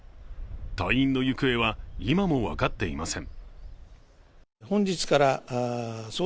隊員の行方は今も分かっていません。